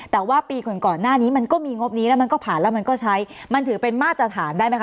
แต่ว่าปีก่อนก่อนหน้านี้มันก็มีงบนี้แล้วมันก็ผ่านแล้วมันก็ใช้มันถือเป็นมาตรฐานได้ไหมค